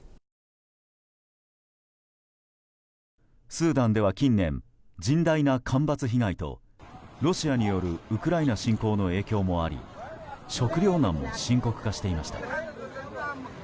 スーダンでは近年、甚大な干ばつ被害とロシアによるウクライナ侵攻の影響もあり食糧難も深刻化していました。